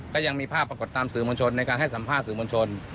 ก็ยังมีภาพปรากฏตามสื่อมวลชนในการให้สัมภาษณสื่อมวลชน